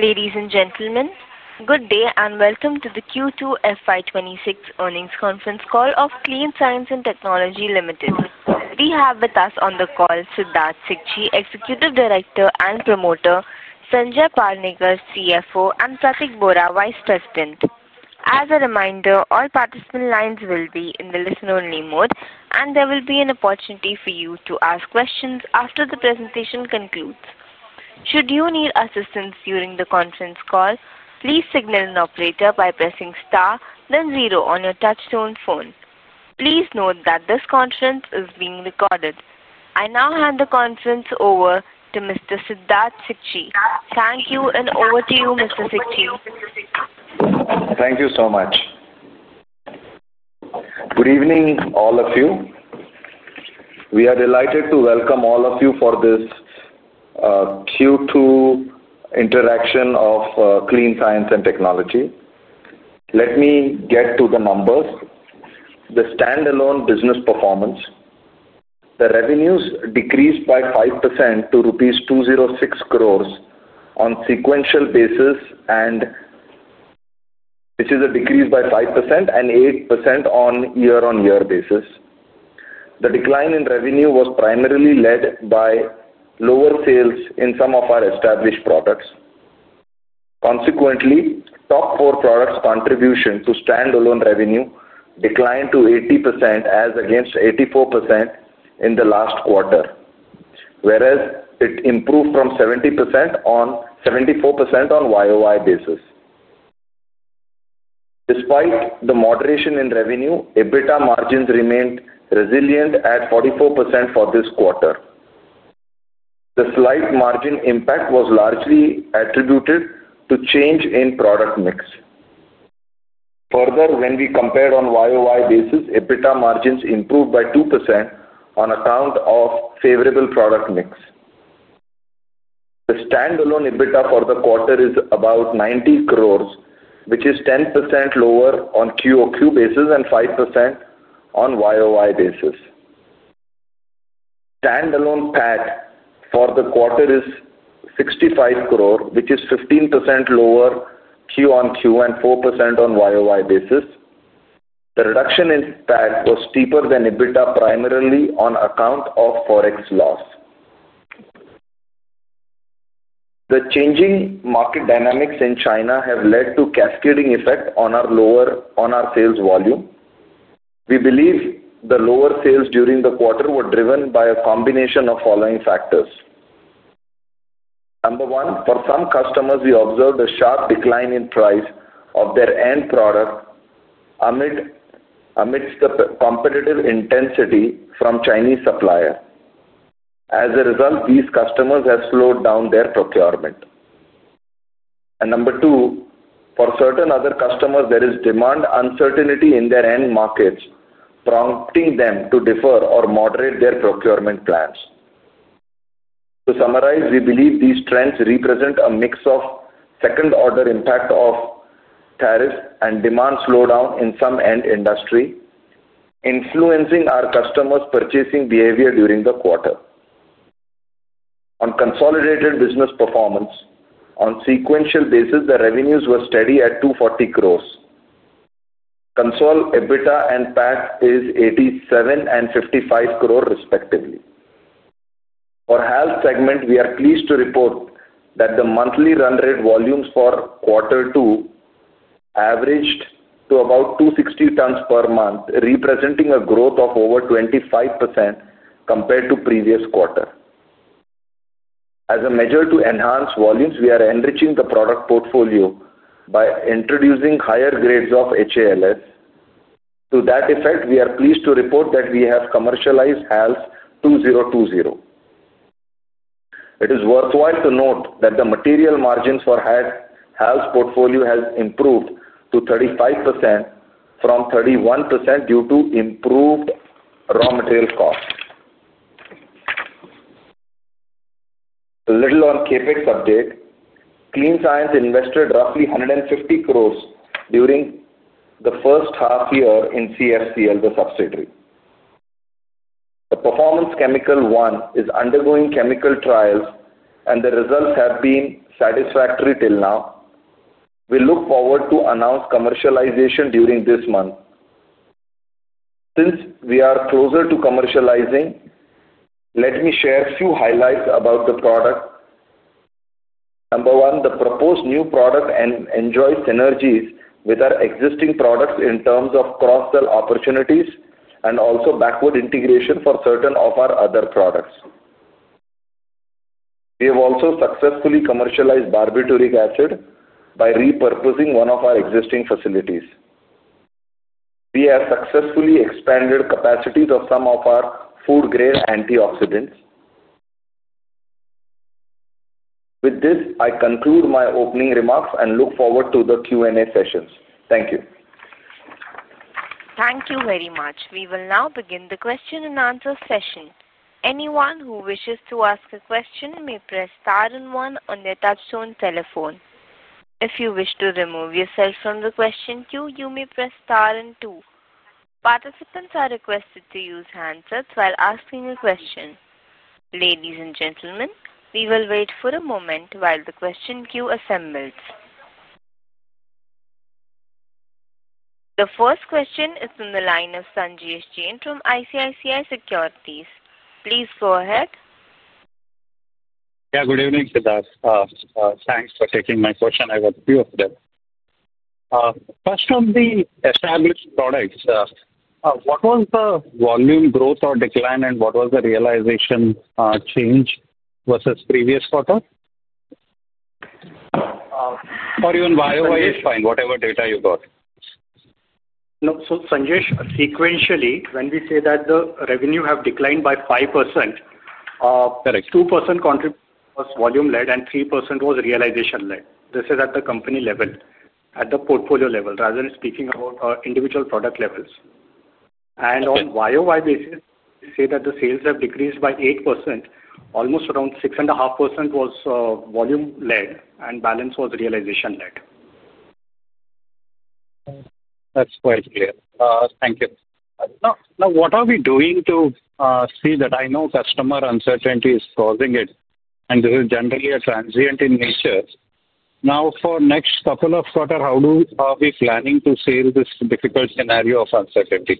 Ladies and gentlemen, good day and welcome to the Q2 FY2026 earnings Conference Call of Clean Science and Technology Ltd. We have with us on the call Siddharth S. Jewalikar, Executive Director and Promoter; Sanjay Palwe, CFO; and Pratik Bora, Vice President. As a reminder, all participant lines will be in the listen-only mode, and there will be an opportunity for you to ask questions after the presentation concludes. Should you need assistance during the conference call, please signal an operator by pressing * then *0 on your touchtone phone. Please note that this conference is being recorded. I now hand the conference over to Mr. Siddharth S. Jewalikar. Thank you, and over to you, Mr. Sikshi. Thank you so much. Good evening, all of you. We are delighted to welcome all of you for this Q2 interaction of Clean Science and Technology. Let me get to the numbers. The standalone business performance. The revenues decreased by 5% to rupees 206 crore on a sequential basis, which is a decrease by 5% and 8% on a year-on-year basis. The decline in revenue was primarily led by lower sales in some of our established products. Consequently, stock core products' contribution to standalone revenue declined to 80%, as against 84% in the last quarter, whereas it improved from 70% on a 74% on a year-on-year basis. Despite the moderation in revenue, EBITDA margins remained resilient at 44% for this quarter. The slight margin impact was largely attributed to change in product mix. Further, when we compared on a YOY basis, EBITDA margins improved by 2% on account of favorable product mix. The standalone EBITDA for the quarter is about 90 crore, which is 10% lower on a QOQ basis and 5% on a YOY basis. Standalone PAT for the quarter is 65 crore, which is 15% lower QOQ and 4% on a YOY basis. The reduction in PAT was steeper than EBITDA, primarily on account of forex loss. The changing market dynamics in China have led to a cascading effect on our sales volume. We believe the lower sales during the quarter were driven by a combination of the following factors. Number one, for some customers, we observed a sharp decline in price of their end products amidst the competitive intensity from Chinese suppliers. As a result, these customers have slowed down their procurement. Number two, for certain other customers, there is demand uncertainty in their end markets, prompting them to defer or moderate their procurement plans. To summarize, we believe these trends represent a mix of second-order impact of tariffs and demand slowdown in some end industries, influencing our customers' purchasing behavior during the quarter. On consolidated business performance, on a sequential basis, the revenues were steady at 240 crore. Consolidated EBITDA and PAT is 87 and 55 crore, respectively. For the health segment, we are pleased to report that the monthly run rate volumes for quarter two averaged to about 260 tons per month, representing a growth of over 25% compared to the previous quarter. As a measure to enhance volumes, we are enriching the product portfolio by introducing higher grades of HALS. To that effect, we are pleased to report that we have commercialized HALS 2020. It is worthwhile to note that the material margins for HALS portfolio have improved to 35% from 31% due to improved raw material costs. A little on CAPEX update. Clean Science invested roughly 150 crore during the first half year in CRCL, the subsidiary. The Performance Chemical One is undergoing chemical trials, and the results have been satisfactory till now. We look forward to announcing commercialization during this month. Since we are closer to commercializing, let me share a few highlights about the product. Number one, the proposed new product enjoys synergies with our existing products in terms of cross-sell opportunities and also backward integration for certain of our other products. We have also successfully commercialized barbituric acid by repurposing one of our existing facilities. We have successfully expanded the capacities of some of our food-grade antioxidants. With this, I conclude my opening remarks and look forward to the Q&A sessions. Thank you. Thank you very much. We will now begin the question-and-answer session. Anyone who wishes to ask a question may press *1 on their touchtone telephone. If you wish to remove yourself from the question queue, you may press *2. Participants are requested to use hands up while asking a question. Ladies and gentlemen, we will wait for a moment while the question queue assembles. The first question is from the line of Sanjay Jain from ICICI Securities. Please go ahead. Yeah, good evening, Siddharth. Thanks for taking my question. I have a few of them. First, from the established products, what was the volume growth or decline, and what was the realization change versus the previous quarter? For you on YOY, it's fine. Whatever data you got. No, so Sanjay, sequentially, when we say that the revenues have declined by 5%. Correct. 2% contribution was volume-led, and 3% was realization-led. This is at the company level, at the portfolio level, rather than speaking about individual product levels. On a YOY basis, we say that the sales have decreased by 8%. Almost around 6.5% was volume-led, and the balance was realization-led. That's quite clear. Thank you. Now, what are we doing to see that I know customer uncertainty is causing it, and this is generally transient in nature? Now, for the next couple of quarters, how are we planning to see this difficult scenario of uncertainty?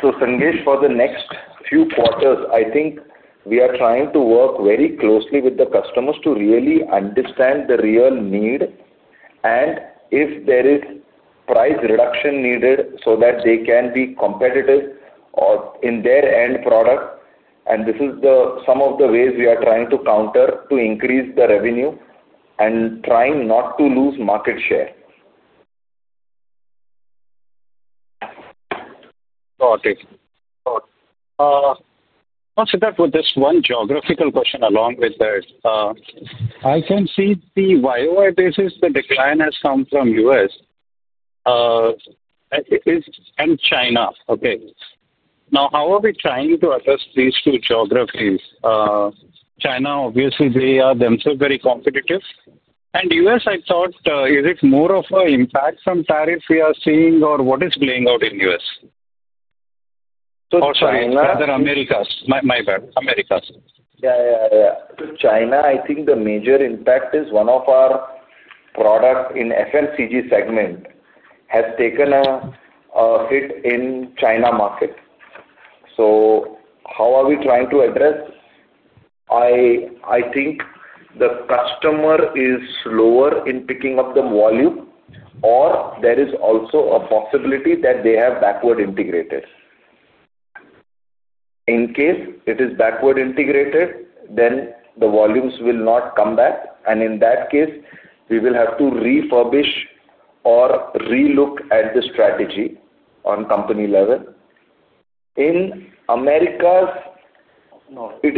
For the next few quarters, I think we are trying to work very closely with the customers to really understand the real need and if there is price reduction needed so that they can be competitive in their end product. This is some of the ways we are trying to counter to increase the revenue and trying not to lose market share. Got it. Also, just one geographical question along with that. I can see the YOY basis, the decline has come from the U.S. and China, okay. Now, how are we trying to address these two geographies? China, obviously, they are themselves very competitive. The U.S., I thought, is it more of an impact from tariffs we are seeing, or what is playing out in the U.S.? So China. Or other Americas. My bad. Americas. Yeah, yeah. To China, I think the major impact is one of our products in the FMCG Chemicals segment has taken a hit in the China market. How are we trying to address? I think the customer is slower in picking up the volume, or there is also a possibility that they have backward integrated. In case it is backward integrated, then the volumes will not come back. In that case, we will have to refurbish or re-look at the strategy on a company level. In America. No, it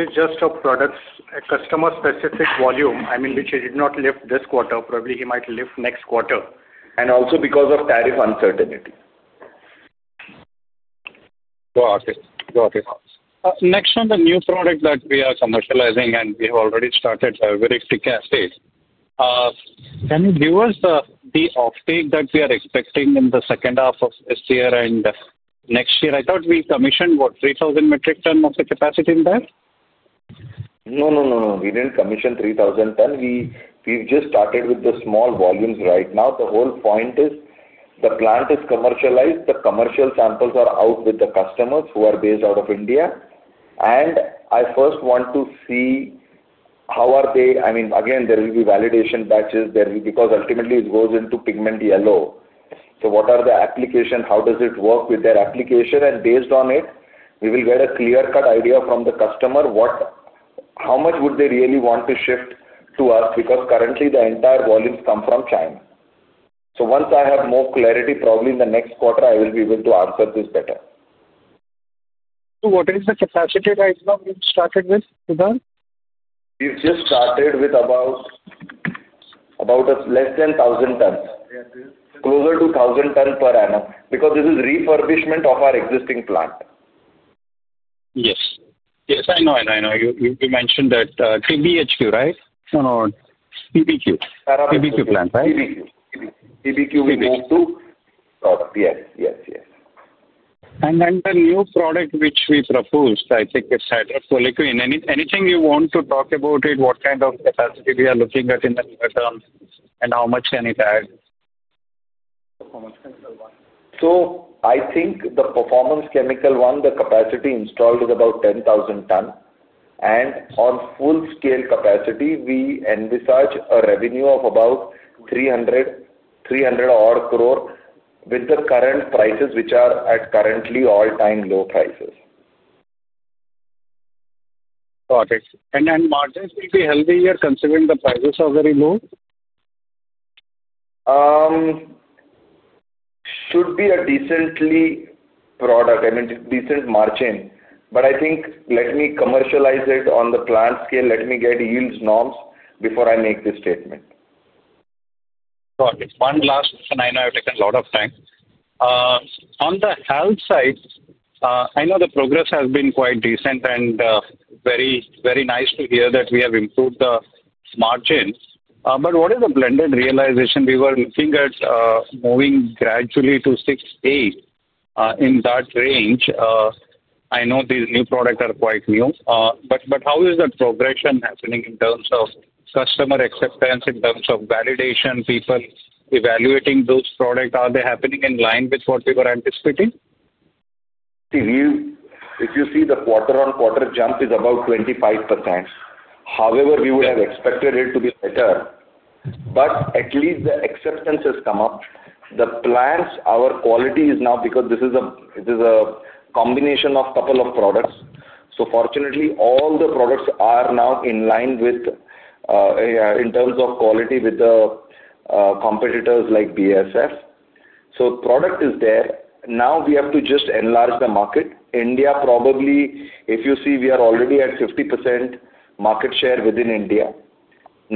is just a product, a customer-specific volume, I mean, which he did not lift this quarter. Probably he might lift next quarter, and also because of tariff uncertainty. Got it. Got it. Next on the new product that we are commercializing, and we have already started the very thick assays. Can you give us the offtake that we are expecting in the second half of this year and next year? I thought we commissioned what, 3,000 metric tons of the capacity in there? No, no, no. We did not commission 3,000 tons. We have just started with the small volumes right now. The whole point is the plant is commercialized. The commercial samples are out with the customers who are based out of India. I first want to see how are they. I mean, again, there will be validation batches, because ultimately, it goes into pigment yellow. What are the applications? How does it work with their application? Based on it, we will get a clear-cut idea from the customer. How much would they really want to shift to us? Because currently, the entire volumes come from China. Once I have more clarity, probably in the next quarter, I will be able to answer this better. What is the capacity that you have started with, Siddharth? We just started with about, less than 1,000 tons. Closer to 1,000 tons per annum, because this is refurbishment of our existing plant. Yes. Yes, I know, I know. You mentioned that MEHQ, right? No, no, no. PBQ. PBQ plants, right? PBQ. PBQ we moved to. Got it. Yes, yes, yes. The new product which we proposed, I think it is hydroxyl liquid. Anything you want to talk about it? What kind of capacity are we looking at in the terms and how much can it add? I think the performance chemical one, the capacity installed is about 10,000 tons. On full-scale capacity, we envisage a revenue of about 300 crore with the current prices, which are at currently all-time low prices. Got it. Margins will be healthy here considering the prices are very low? Should be a decently product and a decent margin. I think let me commercialize it on the plant scale. Let me get yields norms before I make this statement. Got it. One last, and I know I've taken a lot of time. On the health side, I know the progress has been quite decent and very nice to hear that we have improved the margins. What is the blended realization? We were looking at moving gradually to 6-8 in that range. I know these new products are quite new. How is the progression happening in terms of customer acceptance, in terms of validation, people evaluating those products? Are they happening in line with what we were anticipating? If you see the quarter-on-quarter jump is about 25%. However, we would have expected it to be better. At least the acceptance has come up. The plants, our quality is now because this is a combination of a couple of products. Fortunately, all the products are now in line with, in terms of quality, with the competitors like BASF. The product is there. Now we have to just enlarge the market. India, probably, if you see, we are already at 50% market share within India.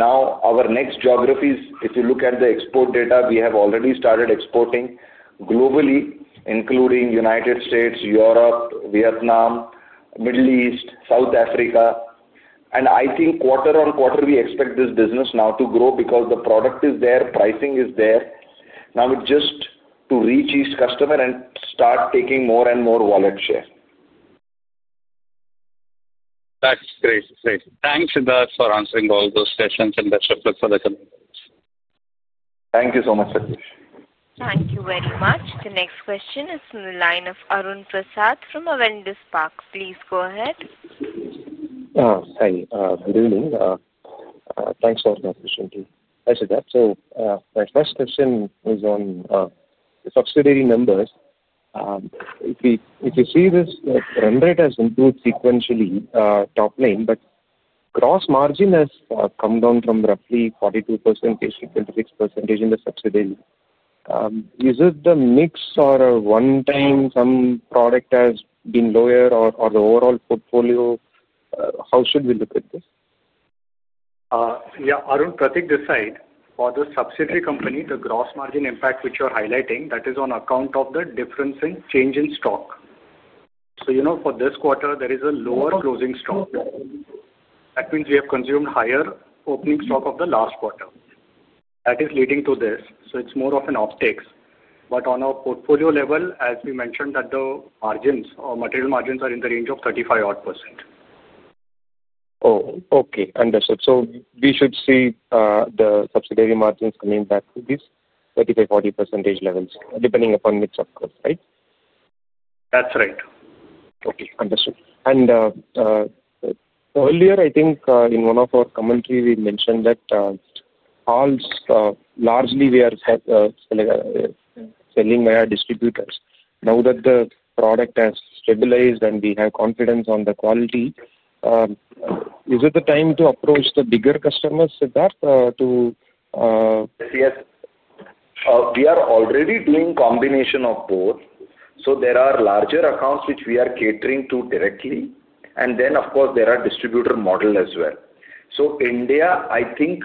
Our next geographies, if you look at the export data, we have already started exporting globally, including the United States, Europe, Vietnam, Middle East, South Africa. I think quarter-on-quarter, we expect this business now to grow because the product is there, pricing is there. Now we just need to reach each customer and start taking more and more wallet share. That's great. Thanks, Siddharth, for answering all those questions and the support for the customers. Thank you so much, Sanjay. Thank you very much. The next question is from the line of Arun Prasad from Avendus Capital. Please go ahead. Yeah, hi. Good evening. Thanks for the opportunity. Hi, Siddharth. So my first question is on the subsidiary numbers. If you see this, Rembrandt has improved sequentially top line, but gross margin has come down from roughly 42% to 36% in the subsidiary. Is it the mix or one time some product has been lower or the overall portfolio? How should we look at this? Yeah, Arun, to take this side, for the subsidiary company, the gross margin impact, which you're highlighting, that is on account of the difference in change in stock. For this quarter, there is a lower closing stock. That means we have consumed higher opening stock of the last quarter. That is leading to this. It is more of an offtake. On our portfolio level, as we mentioned, the margins or material margins are in the range of 35% odd. Oh, okay. Understood. So we should see the subsidiary margins coming back to these 35-40% levels, depending upon which subgroup, right? That's right. Okay. Understood. Earlier, I think in one of our commentary, we mentioned that largely we are selling via distributors. Now that the product has stabilized and we have confidence on the quality, is it the time to approach the bigger customers, Siddharth, to. Yes. We are already doing a combination of both. There are larger accounts which we are catering to directly. There are distributor models as well. India, I think,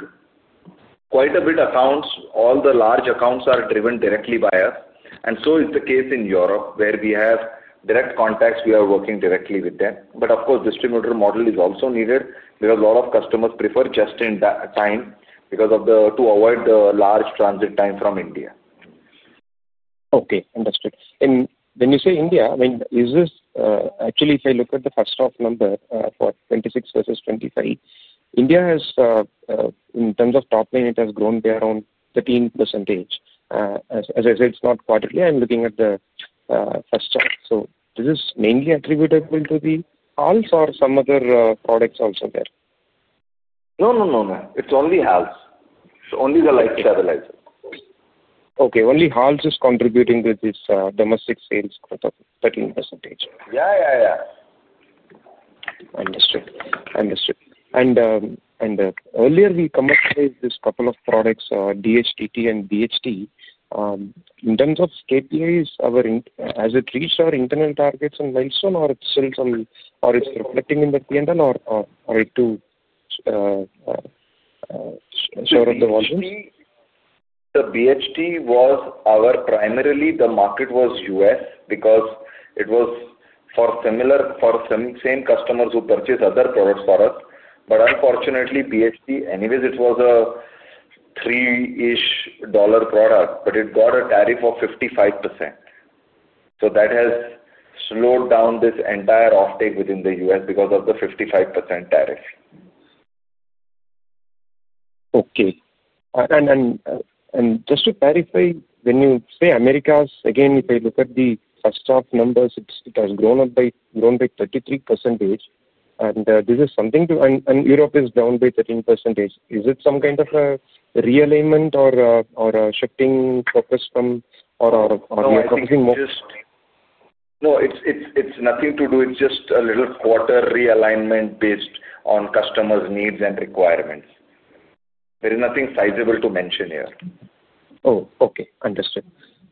quite a bit of accounts, all the large accounts are driven directly by us. It is the case in Europe where we have direct contacts. We are working directly with them. The distributor model is also needed. There are a lot of customers who prefer just-in-time because of the need to avoid the large transit time from India. Okay. Understood. When you say India, I mean, is this actually, if I look at the first half number for 2026 versus 2023, India has, in terms of top line, it has grown by around 13%. As I said, it's not quarterly. I'm looking at the first half. Is this mainly attributable to the HALS or are some other products also there? No, no. It's only HALS. It's only the light stabilizers. Okay. Only HALS is contributing to this domestic sales for the 13%. Yeah, yeah. Understood. Understood. Earlier, we covered this couple of products, DHDT and BHT. In terms of KPIs, has it reached our internal targets on milestone, or it is still some, or it is reflecting in the P&L, or are it too short of the volumes? The BHT was our primarily. The market was U.S. because it was for. Same customers who purchase other products for us. Unfortunately, BHT, anyways, it was a $3-ish product, but it got a tariff of 55%. That has slowed down this entire offtake within the U.S. because of the 55% tariff. Okay. Just to clarify, when you say Americas, again, if I look at the first half numbers, it has grown by 33%. This is something to, and Europe is down by 13%. Is it some kind of a realignment or a shifting focus from, or are we increasing more? No, it's nothing to do with just a little quarter realignment based on customers' needs and requirements. There is nothing sizable to mention here. Oh, okay. Understood.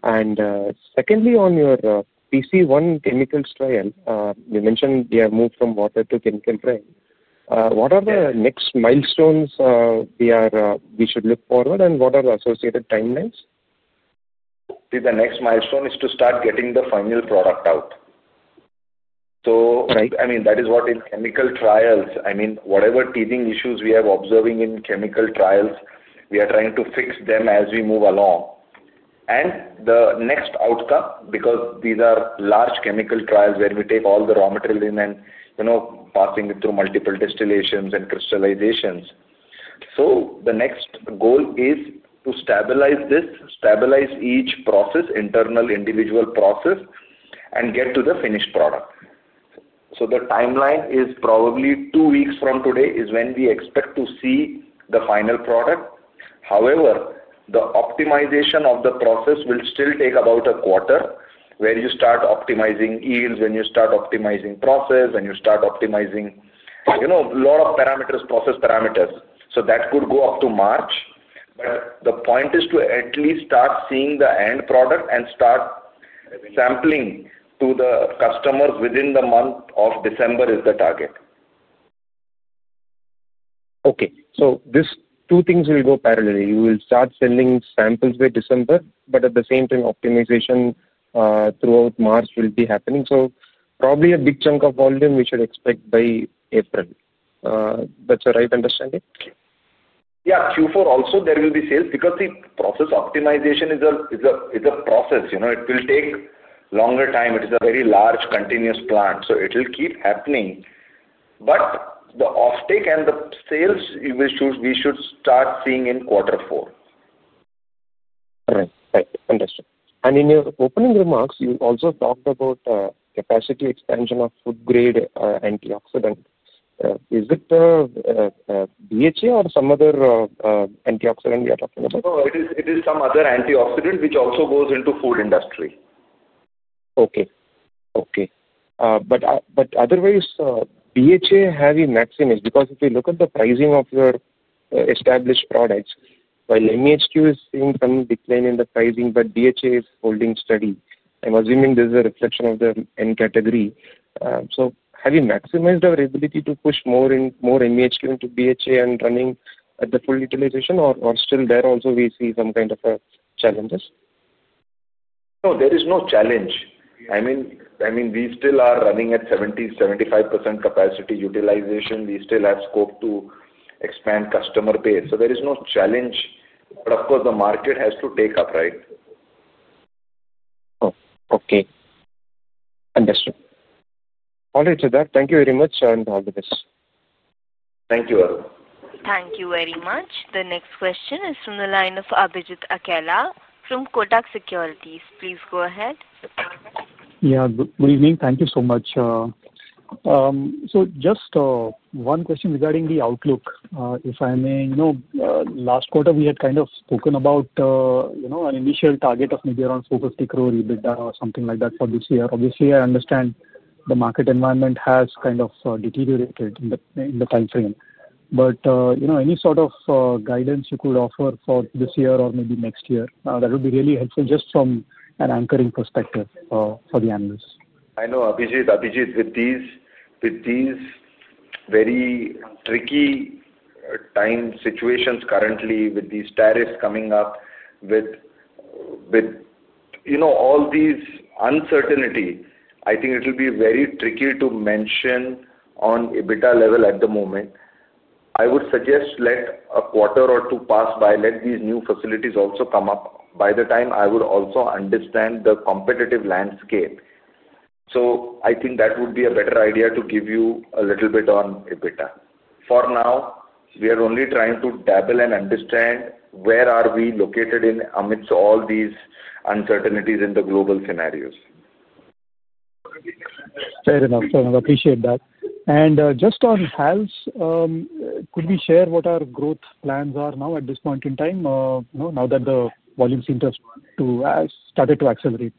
Secondly, on your PC1 chemical trial, you mentioned you have moved from water to chemical trial. What are the next milestones we should look forward to, and what are the associated timelines? See, the next milestone is to start getting the final product out. I mean, that is what in chemical trials, I mean, whatever teething issues we are observing in chemical trials, we are trying to fix them as we move along. The next outcome, because these are large chemical trials where we take all the raw material in and passing it through multiple distillations and crystallizations. The next goal is to stabilize this, stabilize each process, internal individual process, and get to the finished product. The timeline is probably two weeks from today is when we expect to see the final product. However, the optimization of the process will still take about a quarter where you start optimizing yields, when you start optimizing process, when you start optimizing a lot of parameters, process parameters. That could go up to March. The point is to at least start seeing the end product and start sampling to the customers within the month of December is the target. Okay. So these two things will go parallel. You will start sending samples by December, but at the same time, optimization throughout March will be happening. Probably a big chunk of volume we should expect by April. That's a right understanding? Yeah. Q4 also, there will be sales because the process optimization is a process. It will take longer time. It is a very large continuous plant. It will keep happening. The offtake and the sales, we should start seeing in quarter four. Right. Right. Understood. In your opening remarks, you also talked about capacity expansion of food-grade antioxidant. Is it BHA or some other antioxidant we have available? No, it is some other antioxidant which also goes into the food industry. Okay. Okay. Otherwise, BHA heavy maximum is because if you look at the pricing of your established products, while MEHQ is seeing some decline in the pricing, but BHA is holding steady. I'm assuming this is a reflection of the end category. Have you maximized our ability to push more MEHQ into BHA and running at the full utilization, or still there also we see some kind of challenges? No, there is no challenge. I mean, we still are running at 70-75% capacity utilization. We still have scope to expand customer base. There is no challenge. Of course, the market has to take up, right? Oh, okay. Understood. All right, Siddharth. Thank you very much and all the best. Thank you, Arun. Thank you very much. The next question is from the line of Abhijit Akela from Kotak Securities. Please go ahead. Yeah. Good evening. Thank you so much. Just one question regarding the outlook. If I may, last quarter, we had kind of spoken about an initial target of maybe around 450 crore EBITDA or something like that for this year. Obviously, I understand the market environment has kind of deteriorated in the time frame. Any sort of guidance you could offer for this year or maybe next year, that would be really helpful just from an anchoring perspective for the analysts. I know, Abhijit, with these. Very tricky. Time situations currently with these tariffs coming up, with all this uncertainty, I think it will be very tricky to mention on EBITDA level at the moment. I would suggest let a quarter or two pass by, let these new facilities also come up. By the time, I would also understand the competitive landscape. I think that would be a better idea to give you a little bit on EBITDA. For now, we are only trying to dabble and understand where are we located amidst all these uncertainties in the global scenarios. Fair enough. I appreciate that. Just on health, could we share what our growth plans are now at this point in time, now that the volumes seem to have started to accelerate?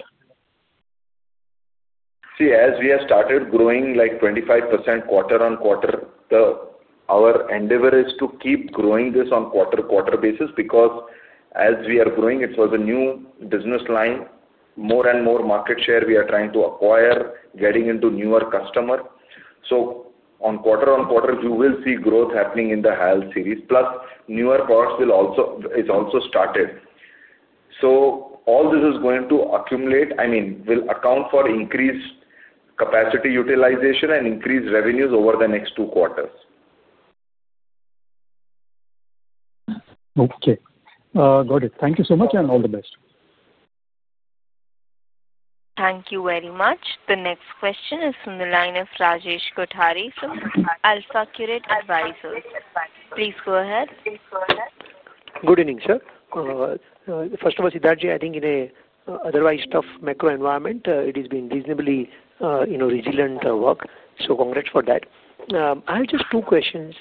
See, as we have started growing like 25% quarter on quarter, our endeavor is to keep growing this on quarter-on-quarter basis because as we are growing, it was a new business line. More and more market share we are trying to acquire, getting into newer customers. On quarter-on-quarter, you will see growth happening in the health series. Plus, newer products will also is also started. All this is going to accumulate, I mean, will account for increased capacity utilization and increased revenues over the next two quarters. Okay. Got it. Thank you so much and all the best. Thank you very much. The next question is from the line of Rajesh Kothari from AlphaCurate Advisors. Please go ahead. Good evening, sir. First of all, Siddharth ji, I think in an otherwise tough macro environment, it has been reasonably resilient work. So congrats for that. I have just two questions.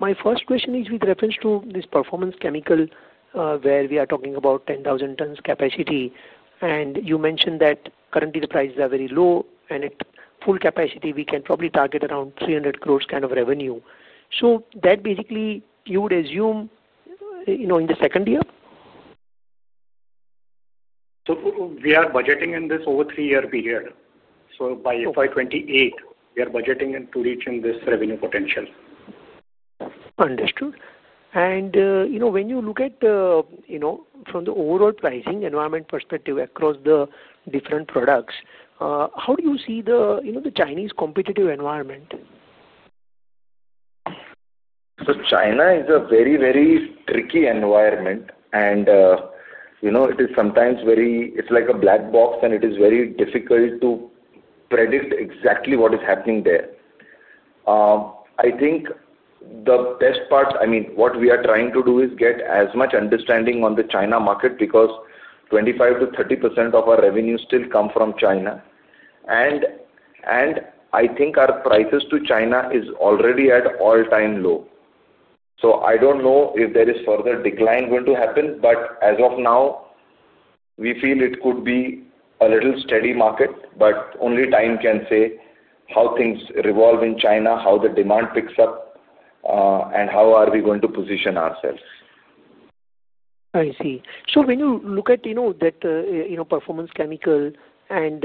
My first question is with reference to this performance chemical where we are talking about 10,000 tons capacity. And you mentioned that currently the prices are very low and at full capacity, we can probably target around 300 crore kind of revenue. So that basically you would assume in the second year? We are budgeting in this over a three-year period. By fiscal year 2028, we are budgeting to reach this revenue potential. Understood. When you look at, from the overall pricing environment perspective across the different products, how do you see the Chinese competitive environment? China is a very, very tricky environment. It is sometimes very, it's like a black box and it is very difficult to predict exactly what is happening there. I think the best part, I mean, what we are trying to do is get as much understanding on the China market because 25%-30% of our revenue still comes from China. I think our prices to China are already at all-time low. I do not know if there is further decline going to happen, but as of now we feel it could be a little steady market, but only time can say how things evolve in China, how the demand picks up, and how are we going to position ourselves. I see. So when you look at that performance chemical and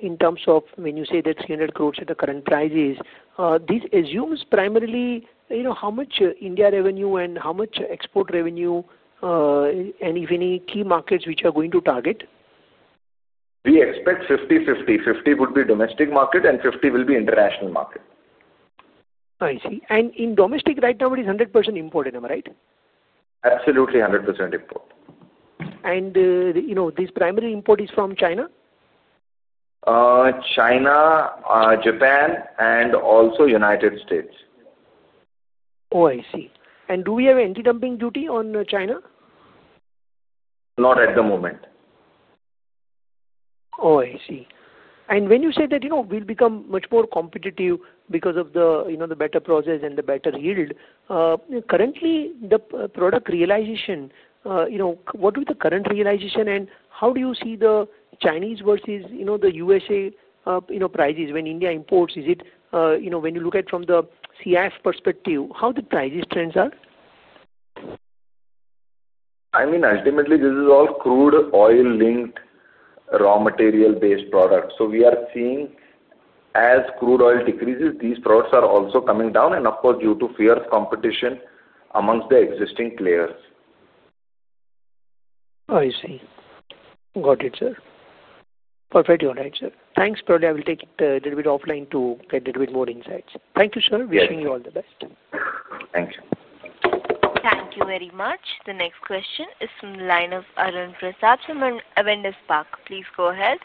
in terms of when you say that 300 crores at the current prices, this assumes primarily how much India revenue and how much export revenue? If any, key markets which you are going to target? We expect 50-50. Fifty would be domestic market and 50 will be international market. I see. In domestic right now, it is 100% import, right? Absolutely 100% import. This primary import is from China? China, Japan, and also the United States. Oh, I see. Do we have anti-dumping duty on China? Not at the moment. Oh, I see. When you say that we'll become much more competitive because of the better process and the better yield, currently, the product realization, what is the current realization and how do you see the Chinese versus the U.S. prices when India imports? Is it, when you look at it from the CIF perspective, how the price trends are? I mean, ultimately, this is all crude oil-linked raw material-based products. We are seeing, as crude oil decreases, these products are also coming down. Of course, due to fierce competition amongst the existing players. I see. Got it, sir. Perfect. All right, sir. Thanks. Probably I will take it a little bit offline to get a little bit more insights. Thank you, sir. Wishing you all the best. Thank you. Thank you very much. The next question is from the line of Arun Prasad from Avendus Capital. Please go ahead.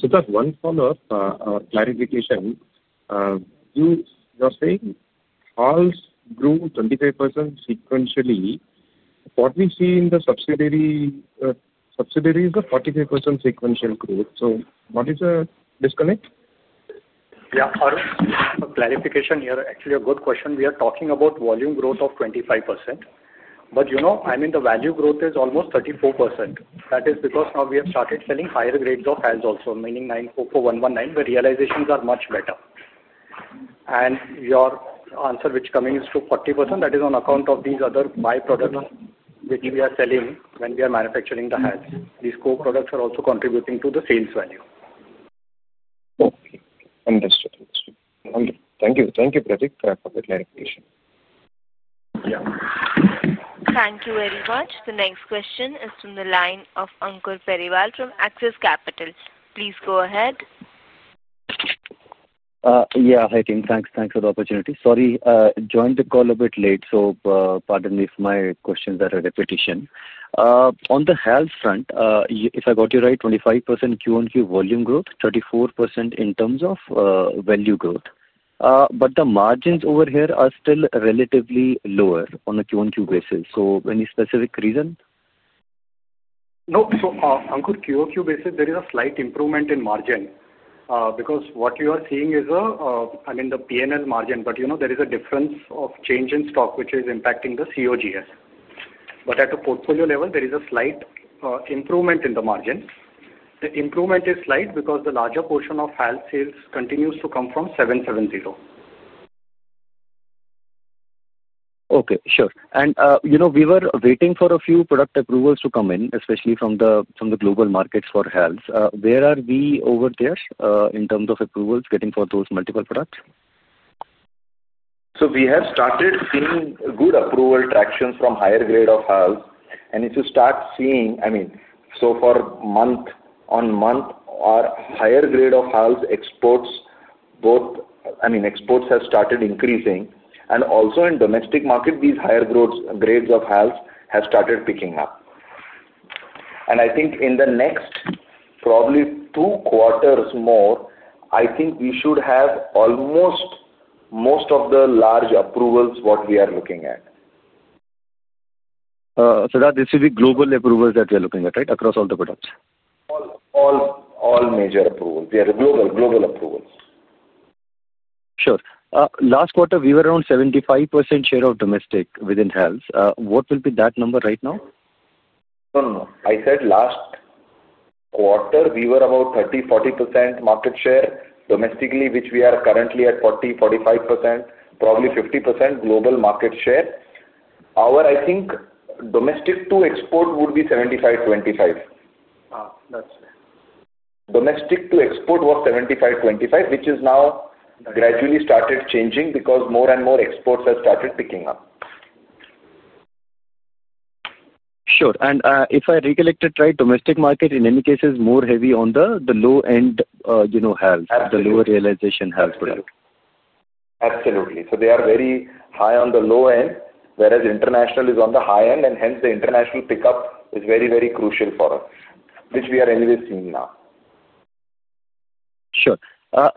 Siddharth, one follow-up clarification. You're saying all grew 25% sequentially. What we've seen in the subsidiary is the 45% sequential growth. What is the disconnect? Yeah, Arun, clarification here. Actually, a good question. We are talking about volume growth of 25%. I mean, the value growth is almost 34%. That is because now we have started selling higher grades of HALS also, meaning 944 and 119, where realizations are much better. Your answer which is coming to 40% is on account of these other byproducts which we are selling when we are manufacturing the HALS. These co-products are also contributing to the sales value. Understood. Thank you. Thank you, Pratik, for the clarification. Yeah. Thank you very much. The next question is from the line of Ankur Perival from Axis Capital. Please go ahead. Yeah, hi, team. Thanks for the opportunity. Sorry, joined the call a bit late. Pardon me if my questions are a repetition. On the health front, if I got you right, 25% QOQ volume growth, 34% in terms of value growth. The margins over here are still relatively lower on a QOQ basis. Any specific reason? No. On a QOQ basis, there is a slight improvement in margin. What you are seeing is, I mean, the P&L margin, but there is a difference of change in stock which is impacting the COGS. At a portfolio level, there is a slight improvement in the margins. The improvement is slight because the larger portion of health sales continues to come from 770. Okay, sure. We were waiting for a few product approvals to come in, especially from the global markets for health. Where are we over there in terms of approvals getting for those multiple products? We have started seeing good approval traction from higher grade of HALS. If you start seeing, I mean, month on month, our higher grade of HALS exports, both, I mean, exports have started increasing. Also in domestic market, these higher grades of HALS have started picking up. I think in the next probably two quarters more, I think we should have almost most of the large approvals what we are looking at. Siddharth, this is the global approvals that you're looking at, right, across all the products? All major approvals. They are global approvals. Sure. Last quarter, we were around 75% share of domestic within health. What will be that number right now? No, no, no. I said last quarter, we were about 30-40% market share domestically, which we are currently at 40-45%, probably 50% global market share. Our, I think, domestic to export would be 75-25. that's fair. Domestic to export was 75, 25, which has now gradually started changing because more and more exports have started picking up. Sure. If I recollect it right, domestic market in any case is more heavy on the low-end health, the lower realization health product. Absolutely. They are very high on the low end, whereas international is on the high end, and hence the international pickup is very, very crucial for us, which we are anyway seeing now. Sure.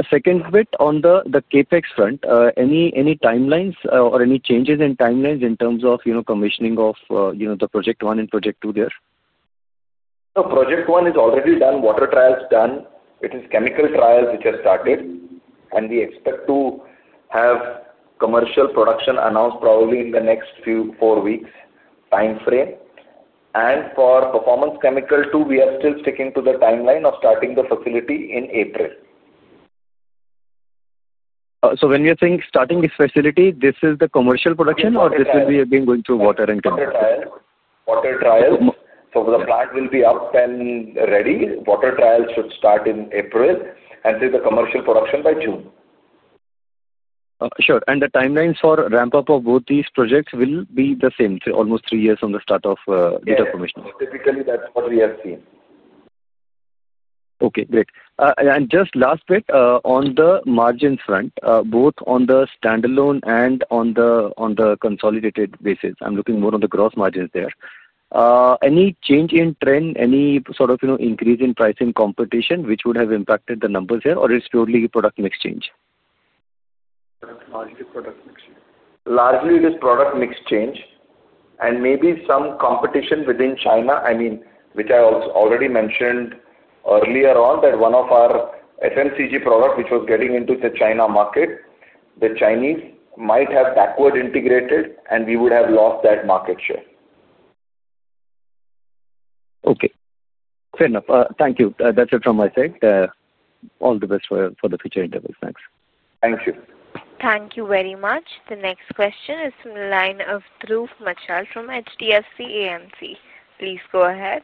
Second bit on the CapEx front, any timelines or any changes in timelines in terms of commissioning of the project one and project two there? Project one is already done. Water trials done. It is chemical trials which have started. We expect to have commercial production announced probably in the next few four weeks timeframe. For Performance Chemical Two, we are still sticking to the timeline of starting the facility in April. When you're saying starting this facility, this is the commercial production or this will be again going through water and chemical trials? Water trials. The plant will be up and ready. Water trials should start in April and see the commercial production by June. Sure. The timelines for ramp-up of both these projects will be the same, almost three years from the start of data commissioning? Typically, that's what we have seen. Okay, great. Just last bit on the margin front, both on the standalone and on the consolidated basis, I'm looking more on the gross margins there. Any change in trend, any sort of increase in pricing competition which would have impacted the numbers here, or it's purely product mix change? Largely product mix change. Largely it is product mix change. And maybe some competition within China, I mean, which I already mentioned earlier on that one of our FMCG Chemicals products which was getting into the China market, the Chinese might have backward integrated, and we would have lost that market share. Okay. Fair enough. Thank you. That's it from my side. All the best for the future interviews. Thanks. Thank you. Thank you very much. The next question is from the line of Dhruv Muchhal from HDFC AMC. Please go ahead.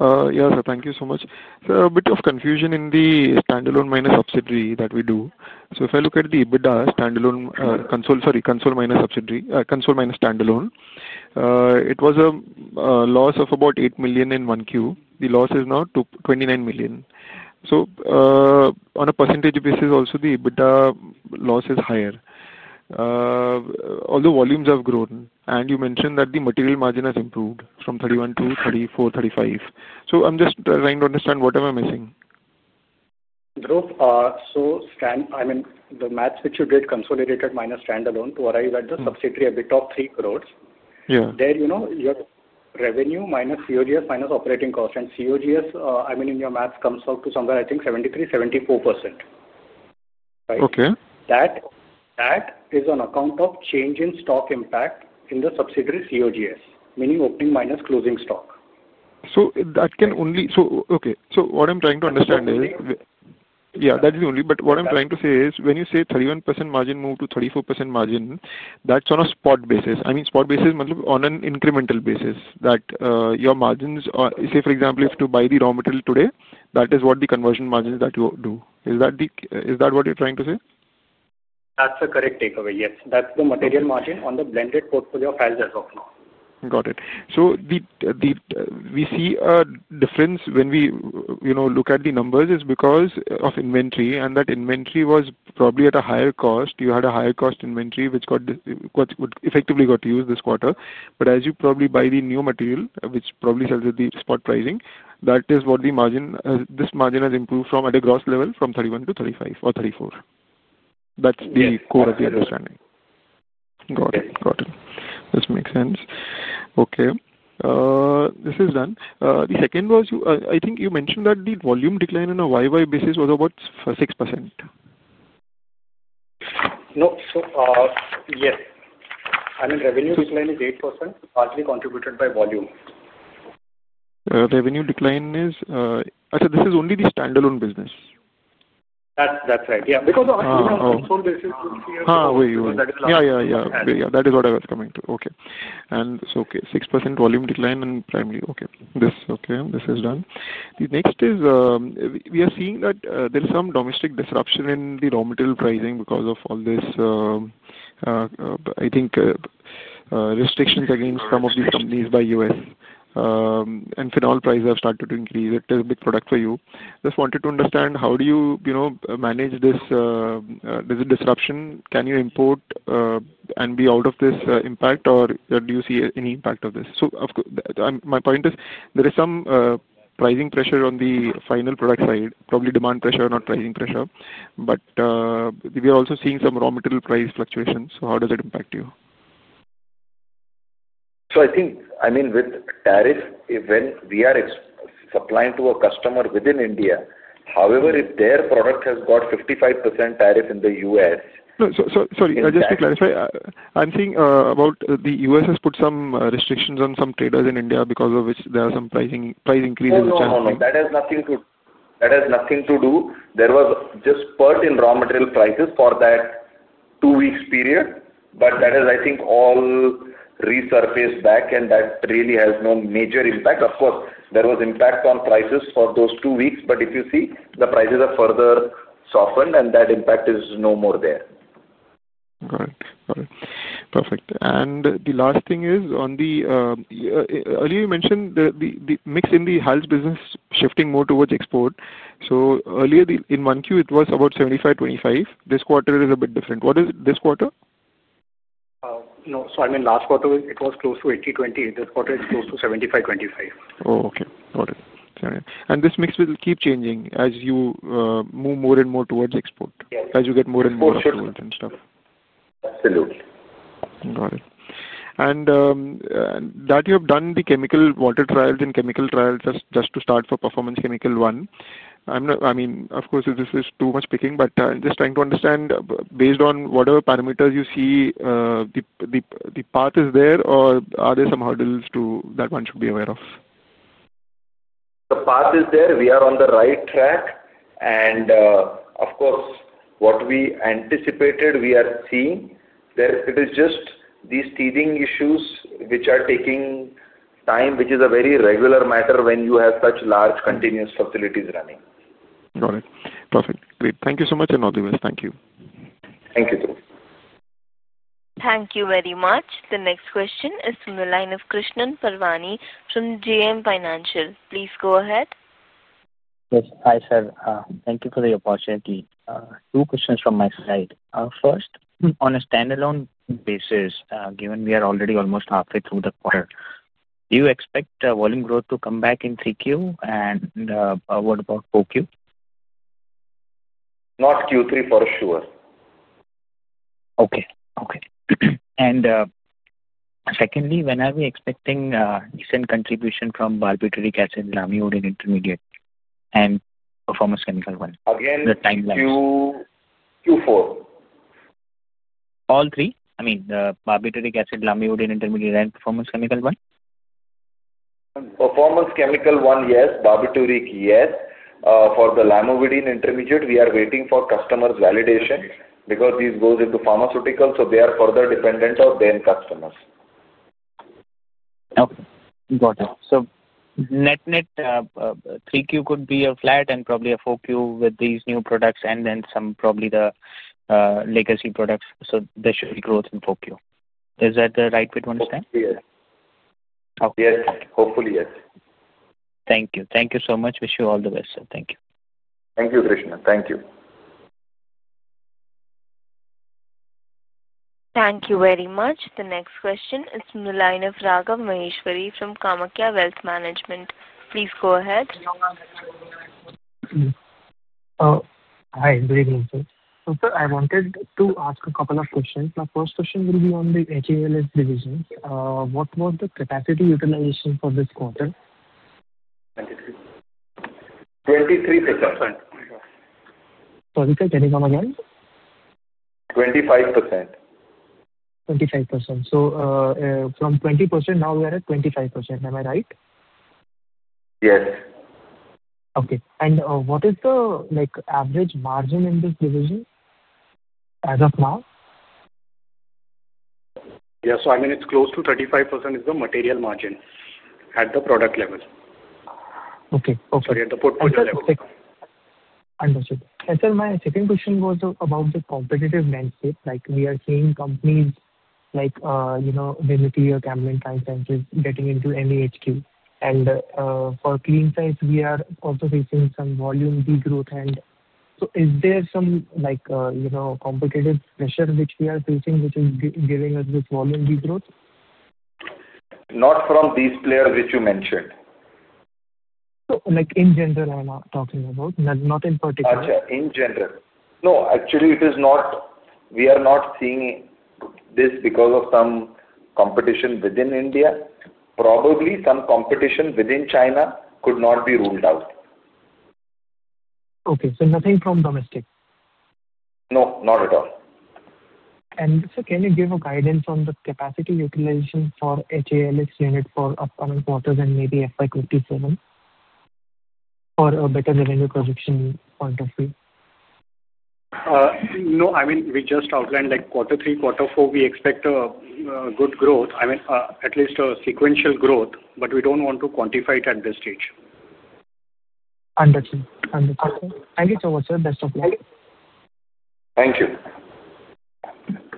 Yeah, sir, thank you so much. Sir, a bit of confusion in the standalone minus subsidiary that we do. If I look at the EBITDA standalone console, sorry, console minus subsidiary, console minus standalone, it was a loss of about 8 million in one Q. The loss is now 29 million. On a percentage basis, also the EBITDA loss is higher. Although volumes have grown, and you mentioned that the material margin has improved from 31% to 34%-35%. I am just trying to understand what am I missing. Dhruv, so I mean, the maths which you did, consolidated minus standalone to arrive at the subsidiary bit of 3 crore. There. Revenue minus COGS minus operating cost. And COGS, I mean, in your maths comes out to somewhere, I think, 73-74%. Right? Okay. That is on account of change in stock impact in the subsidiary COGS, meaning opening minus closing stock. That can only, okay. What I'm trying to understand is, yeah, that is the only, but what I'm trying to say is when you say 31% margin move to 34% margin, that's on a spot basis. I mean, spot basis means on an incremental basis that your margins, say, for example, if to buy the raw material today, that is what the conversion margin that you do. Is that what you're trying to say? That's a correct takeaway. Yes. That's the material margin on the blended portfolio files as of now. Got it. We see a difference when we look at the numbers is because of inventory, and that inventory was probably at a higher cost. You had a higher cost inventory which effectively got used this quarter. As you probably buy the new material, which probably sells at the spot pricing, that is what the margin, this margin has improved from at a gross level from 31% to 35% or 34%. That is the core of the understanding. Got it. Got it. This makes sense. Okay. This is done. The second was, I think you mentioned that the volume decline on a YOY basis was about 6%. No. Yes. I mean, revenue decline is 8%, partly contributed by volume. Revenue decline is, actually, this is only the standalone business. That's right. Yeah. Because on a consol basis. Yeah, yeah, yeah. That is what I was coming to. Okay. 6% volume decline and primary. Okay. This is done. The next is, we are seeing that there is some domestic disruption in the raw material pricing because of all this. I think restrictions against some of these companies by the U.S. and final prices have started to increase. It is a big product for you. Just wanted to understand how do you manage this disruption? Can you import and be out of this impact, or do you see any impact of this? My point is there is some pricing pressure on the final product side, probably demand pressure, not pricing pressure. We are also seeing some raw material price fluctuations. How does it impact you? I think, I mean, with tariff, when we are supplying to a customer within India, however, if their product has got 55% tariff in the U.S. No, sorry. Just to clarify, I'm seeing about the U.S. has put some restrictions on some traders in India because of which there are some price increases. No, no, no. That has nothing to do. That has nothing to do. There was just spurt in raw material prices for that two-week period. That has, I think, all resurfaced back, and that really has no major impact. Of course, there was impact on prices for those two weeks, but if you see, the prices have further softened, and that impact is no more there. Got it. Got it. Perfect. The last thing is on the, earlier you mentioned the mix in the health business shifting more towards export. Earlier in one Q, it was about 75-25. This quarter is a bit different. What is this quarter? No. I mean, last quarter, it was close to 80-20. This quarter, it's close to 75-25. Oh, okay. Got it. This mix will keep changing as you move more and more towards export, as you get more and more through it and stuff. Absolutely. Got it. That you have done the chemical water trials and chemical trials just to start for performance chemical one. I mean, of course, this is too much picking, but I'm just trying to understand based on whatever parameters you see. The path is there, or are there some hurdles that one should be aware of? The path is there. We are on the right track. Of course, what we anticipated, we are seeing, there are just these teething issues which are taking time, which is a very regular matter when you have such large continuous facilities running. Got it. Perfect. Great. Thank you so much, Ankur Periwal. Thank you. Thank you. Thank you very much. The next question is from the line of Krishan Parwani from JM Financial. Please go ahead. Yes. Hi, sir. Thank you for the opportunity. Two questions from my side. First, on a standalone basis, given we are already almost halfway through the quarter, do you expect volume growth to come back in Q3? And what about QOQ? Not Q3 for sure. Okay. Okay. And secondly, when are we expecting decent contribution from barbituric acid, lamivudine intermediate, and Performance Chemical One? Again. The timeline. Q4. All three? I mean, the barbituric acid, lamivudine intermediate, and Performance Chemical One? Performance Chemical One, yes. Barbituric, yes. For the Lamivudine intermediate, we are waiting for customers' validation because this goes into pharmaceutical, so they are further dependent on their customers. Okay. Got it. So net net, Q3 could be flat and probably a full Q with these new products and then some, probably the legacy products. There should be growth in full Q. Is that the right way to understand? Yes. Yes. Hopefully, yes. Thank you. Thank you so much. Wish you all the best, sir. Thank you. Thank you, Krishnan. Thank you. Thank you very much. The next question is from the line of Raghav Maheshwari from Kamakhya Wealth Management. Please go ahead. Hi. Good evening, sir. Sir, I wanted to ask a couple of questions. My first question will be on the HALS division. What was the capacity utilization for this quarter? 23%. Sorry, sir. Can you come again? 25%. 25%. From 20%, now we are at 25%. Am I right? Yes. Okay. What is the average margin in this division as of now? Yeah. So I mean, it's close to 35% is the material margin at the product level. Okay. Okay. Sorry, at the portfolio level. Understood. Sir, my second question was about the competitive landscape. We are seeing companies like Camlin Fine Sciences getting into MEHQ. For Clean Science, we are also facing some volume degrowth. Is there some competitive pressure which we are facing which is giving us this volume degrowth? Not from these players which you mentioned. In general, I'm not talking about. Not in particular. Okay. In general. No, actually, it is not. We are not seeing this because of some competition within India. Probably some competition within China could not be ruled out. Okay. So nothing from domestic? No, not at all. Sir, can you give a guidance on the capacity utilization for HALS unit for upcoming quarters and maybe FY 2027? Or a better revenue projection point of view? No. I mean, we just outlined quarter three, quarter four, we expect a good growth. I mean, at least a sequential growth, but we do not want to quantify it at this stage. Understood. Understood. Okay. Thank you so much, sir. Best of luck. Thank you.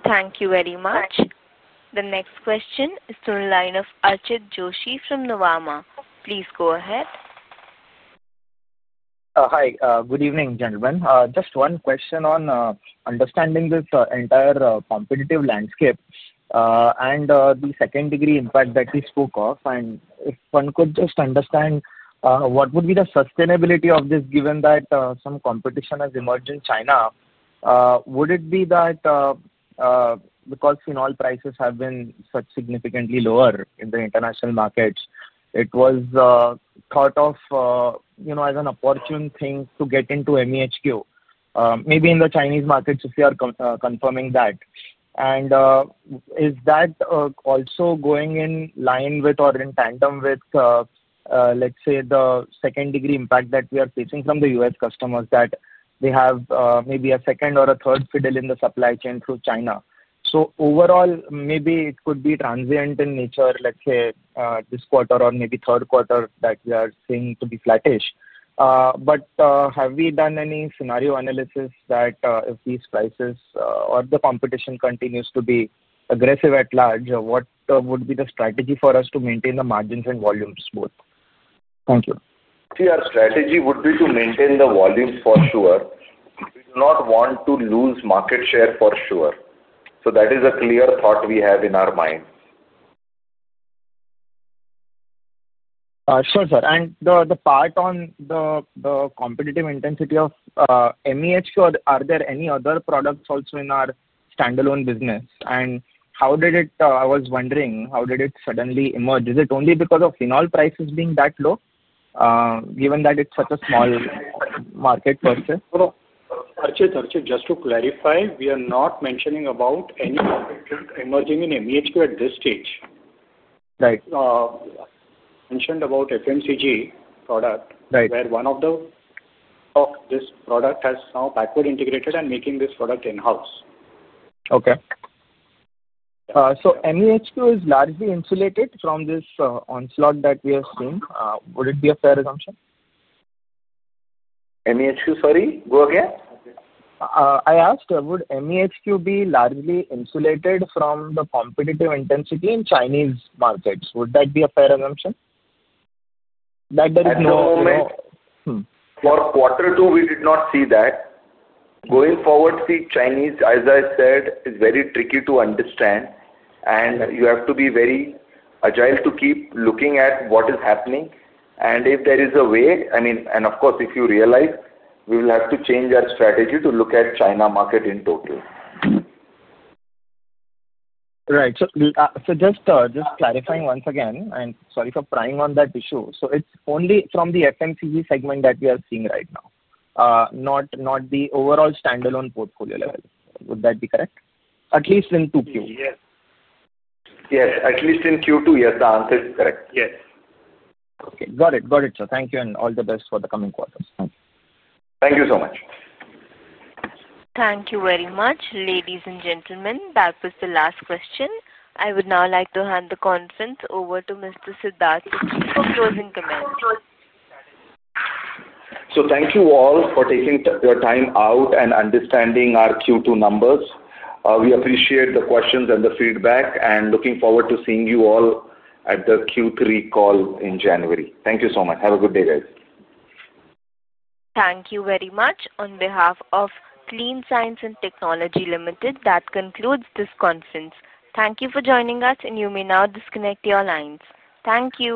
Thank you very much. The next question is from the line of Archit Joshi from Nomura. Please go ahead. Hi. Good evening, gentlemen. Just one question on understanding the entire competitive landscape and the second-degree impact that we spoke of. If one could just understand, what would be the sustainability of this given that some competition has emerged in China? Would it be that, because in all, prices have been such significantly lower in the international markets, it was thought of as an opportune thing to get into MEHQ, maybe in the Chinese markets, if we are confirming that? Is that also going in line with or in tandem with, let's say, the second-degree impact that we are facing from the U.S. customers, that they have maybe a second or a third fiddle in the supply chain through China? Overall, maybe it could be transient in nature, let's say, this quarter or maybe third quarter that we are seeing to be flattish. Have we done any scenario analysis that if these prices or the competition continues to be aggressive at large, what would be the strategy for us to maintain the margins and volumes both? Thank you. Our strategy would be to maintain the volumes for sure. We do not want to lose market share for sure. So that is a clear thought we have in our mind. Sure, sir. The part on the competitive intensity of MEHQ, are there any other products also in our standalone business? How did it, I was wondering, how did it suddenly emerge? Is it only because of in-all prices being that low, given that it's such a small market per se? Archit, just to clarify, we are not mentioning about any product emerging in MEHQ at this stage. Right. I mentioned about FMCG product where one of the, of this product has now backward integrated and making this product in-house. Okay. So MEHQ is largely insulated from this onslaught that we have seen. Would it be a fair assumption? MEHQ, sorry? Go again. I asked, would MEHQ be largely insulated from the competitive intensity in Chinese markets? Would that be a fair assumption? That there is no— For quarter two, we did not see that. Going forward, see, Chinese, as I said, is very tricky to understand. You have to be very agile to keep looking at what is happening. If there is a way, I mean, and of course, if you realize, we will have to change our strategy to look at China market in total. Right. So just clarifying once again, and sorry for prying on that issue. So it's only from the FMCG segment that we are seeing right now, not the overall standalone portfolio level. Would that be correct? At least in QOQ. Yes. Yes. At least in Q2, yes, the answer is correct. Yes. Okay. Got it. Got it, sir. Thank you. All the best for the coming quarters. Thank you so much. Thank you very much, ladies and gentlemen. That was the last question. I would now like to hand the conference over to Mr. Siddharth for closing comments. Thank you all for taking your time out and understanding our Q2 numbers. We appreciate the questions and the feedback and looking forward to seeing you all at the Q3 call in January. Thank you so much. Have a good day, guys. Thank you very much. On behalf of Clean Science and Technology Limited, that concludes this conference. Thank you for joining us, and you may now disconnect your lines. Thank you.